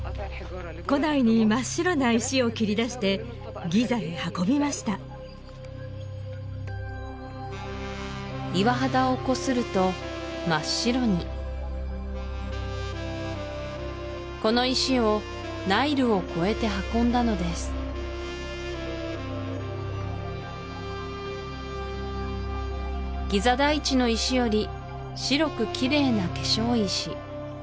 古代に真っ白な石を切り出してギザへ運びました岩肌をこすると真っ白にこの石をナイルを越えて運んだのですギザ台地の石より白くキレイな化粧石